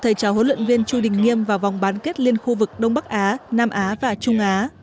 thầy trò huấn luyện viên chu đình nghiêm vào vòng bán kết liên khu vực đông bắc á nam á và trung á